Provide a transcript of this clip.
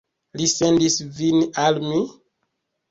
Li sendis vin al mi?